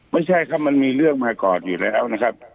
ไม่ใช่ครับมันมีเรื่องมาก่อนอยู่แล้วนะครับ